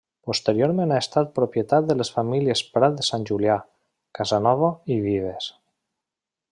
Posteriorment ha estat propietat de les famílies Prat de Sant Julià, Casanova i Vives.